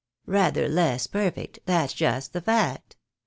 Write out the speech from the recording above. Rather less perfect, that's just the fact.